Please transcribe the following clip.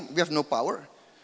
kita tidak punya kekuatan